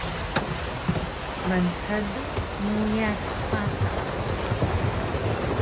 Mnhdu muyas patas